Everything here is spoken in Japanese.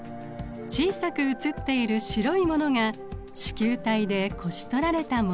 小さく映っている白いものが糸球体でこし取られたもの。